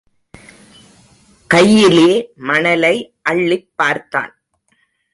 கையிலே மணலை அள்ளிப் பார்த்தான்.